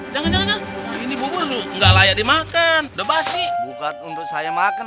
jangan jangan ini bubur enggak layak dimakan debasi bukan untuk saya makan